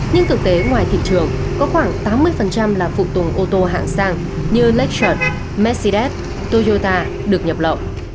nhưng thực tế ngoài thị trường có khoảng tám mươi là phụ tùng ô tô hạng sang như latterre mercedes toyota được nhập lậu